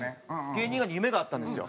芸人以外に夢があったんですよ。